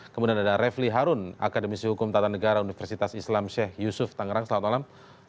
kemudian ada refli harun akademisi hukum tata negara universitas islam syekh yusuf tangerang selamat malam